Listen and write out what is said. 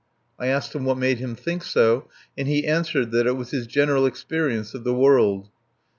I asked him what made him think so; and he answered that it was his general experience of the world.